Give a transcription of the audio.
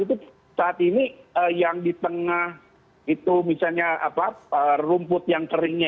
itu saat ini yang di tengah rumput yang keringnya